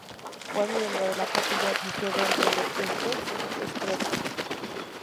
Fue miembro de la capilla disidente de Essex Street.